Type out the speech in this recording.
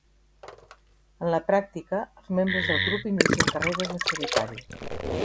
En la pràctica, els membres del grup inicien carreres en solitari.